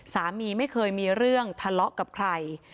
สามีไม่เคยมีเรื่องทะเลาะกับใคร